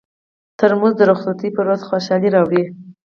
ترموز د رخصتۍ پر ورځ خوشالي راوړي.